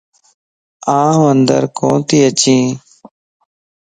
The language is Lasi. آن اندر ڪوتي اچين